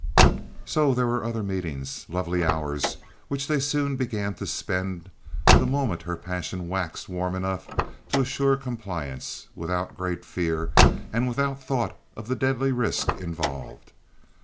So there were other meetings, lovely hours which they soon began to spend the moment her passion waxed warm enough to assure compliance, without great fear and without thought of the deadly risk involved.